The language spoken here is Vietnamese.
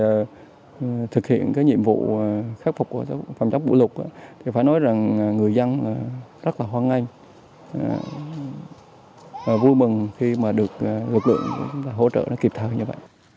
các anh về thực hiện nhiệm vụ khắc phục phòng chống vụ lục phải nói rằng người dân rất là hoan nghênh vui mừng khi được lực lượng hỗ trợ kịp thời như vậy